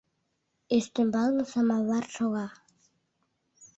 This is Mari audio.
Ӱстембалне самовар шога.